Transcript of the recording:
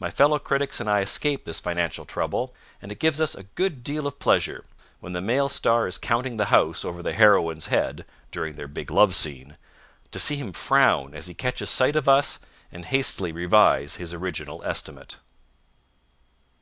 My fellow critics and I escape this financial trouble, and it gives us a good deal of pleasure, when the male star is counting the house over the heroine's head (during their big love scene) to see him frown as he catches sight of us and hastily revise his original estimate.